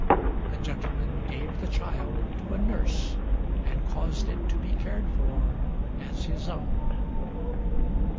The gentleman gave the child to a nurse, and caused it to be cared for as his own.